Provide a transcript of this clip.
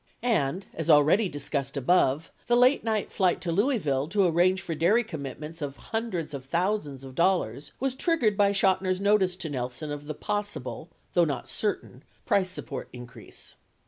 And, as already dis cussed above, the late night flight to Louisville to arrange for dairy commitments of hundred of thousands of dollars was triggered by Chotiner's notice to Nelson of the possible (though not certain) price support increase.